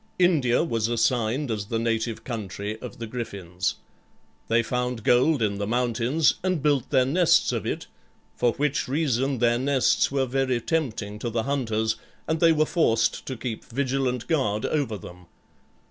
India was assigned as the native country of the Griffins. They found gold in the mountains and built their nests of it, for which reason their nests were very tempting to the hunters, and they were forced to keep vigilant guard over them.